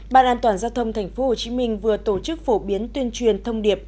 ban an toàn giao thông tp hcm vừa tổ chức phổ biến tuyên truyền thông điệp